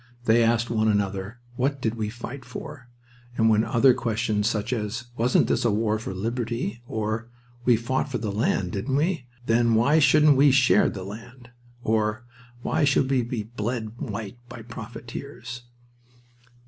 They asked one another, "What did we fight for?" and then other questions such as, "Wasn't this a war for liberty?" or, "We fought for the land, didn't we? Then why shouldn't we share the land?" Or, "Why should we be bled white by profiteers?"